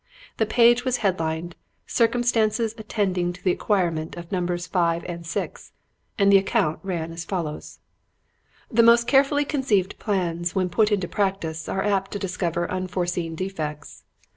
The page was headed "Circumstances attending the acquirement of Numbers Five and Six," and the account ran as follows: "The most carefully conceived plans, when put into practice, are apt to discover unforeseen defects.